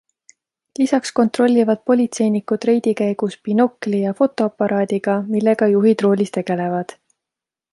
Lisaks kontrollivad politseinikud reidi käigus binokli ja fotoaparaadiga, millega juhid roolis tegelevad.